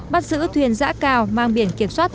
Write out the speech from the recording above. bắt giữ thuyền dã cao mang biển kiểm soát